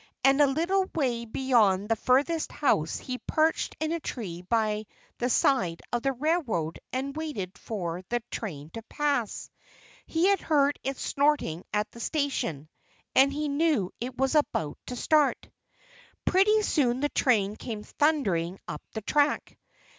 And a little way beyond the furthest house he perched in a tree by the side of the railroad and waited for the train to pass. He had heard it snorting at the station and he knew it was about to start. Pretty soon the train came thundering up the track.